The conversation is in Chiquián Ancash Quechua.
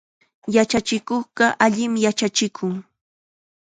Yachachikuqqa allim yachachikun.